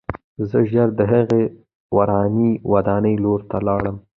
زه ژر د هغې ورانې ودانۍ لور ته لاړم